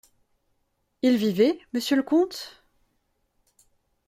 Il vivait, monsieur le comte ?…